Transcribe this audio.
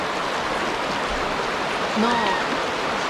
Are we all met?